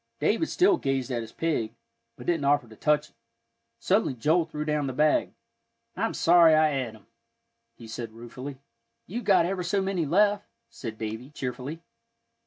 David still gazed at his pig, but didn't offer to touch it. Suddenly Joel threw down the bag. "I'm sorry I et 'em," he said ruefully. "You've got ever so many left," said Davie, cheerfully.